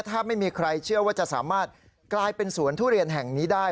แทบไม่มีใครเชื่อว่าจะสามารถกลายเป็นสวนทุเรียนแห่งนี้ได้